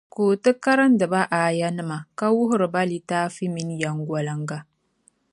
Ka o ti karindi ba A aayanima, ka wuhiri ba litaafi mini yεmgoliŋga